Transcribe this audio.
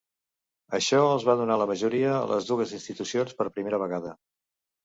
Això els va donar la majoria a les dues institucions per primera vegada.